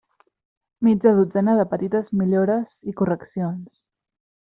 Mitja dotzena de petites millores i correccions.